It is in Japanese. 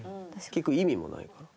聞く意味もないから。